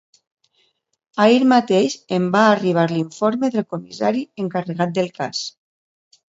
Ahir mateix em va arribar l'informe del comissari encarregat del cas.